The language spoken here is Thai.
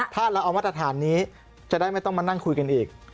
ถ้าเราเอามาตรฐานนี้จะได้ไม่ต้องมานั่งคุยกันอีก